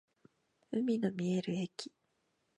海の見える駅